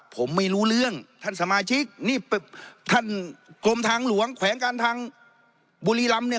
ผมไม่รู้เรื่องท่านสมาชิกนี่ท่านกรมทางหลวงแขวงการทางบุรีรำเนี่ย